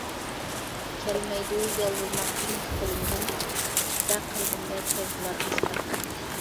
كەلمەيدۇ يالۋۇرماق چۈنكى قۇلۇمدىن، سۈكۈتلەر قەلبىمدە چايقىلار ئاستا.